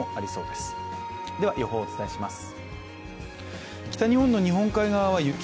では、予報をお伝えします。